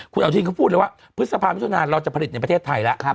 คุณอนุทินเขาพูดเลยว่าพฤษภามิถุนาเราจะผลิตในประเทศไทยแล้ว